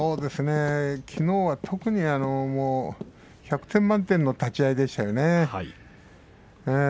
きのうは特に１００点満点の立ち合いでしたよね。